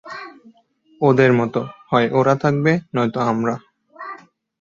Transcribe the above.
ওদের মত, হয় ওরা থাকবে নয়তো আমরা।